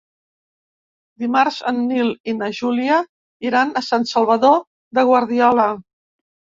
Dimarts en Nil i na Júlia iran a Sant Salvador de Guardiola.